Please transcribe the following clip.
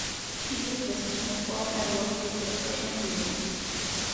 She is best known for her work with recursion theory.